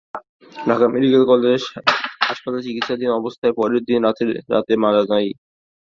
Dhaka medical college হাসপাতালে চিকিৎসাধীন অবস্থায় পরের দিন রাতে রাতে মারা যায়।